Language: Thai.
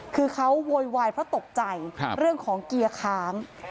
คือเขาโวยวายเพราะตกใจเรื่องของเกียร์ค้าง